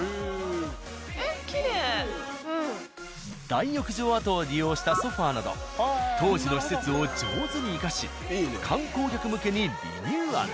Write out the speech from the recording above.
大浴場跡を利用したソファなど当時の施設を上手に生かし観光客向けにリニューアル。